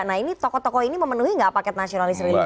nah ini tokoh tokoh ini memenuhi nggak paket nasionalis realitas